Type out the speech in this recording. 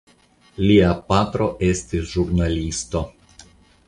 Lia patro estis ĵurnalisto.